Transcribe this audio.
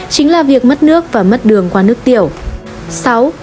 chính là việc mất nước và mất đường qua nước tiểu